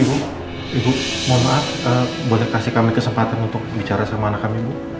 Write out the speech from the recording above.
ibu ibu mohon maaf boleh kasih kami kesempatan untuk bicara sama anak kami ibu